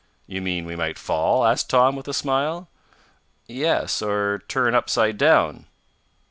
"You mean we might fall?" asked Tom, with a smile. "Yes; or turn upside down."